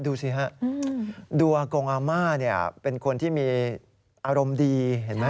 ดูสิครับดูอากงอาม่าเป็นคนที่มีอารมณ์ดี